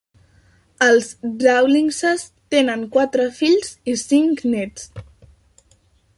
Els Rawlingses tenen quatre fills i cinc nets.